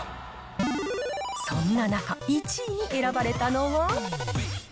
そんな中、１位に選ばれたのは。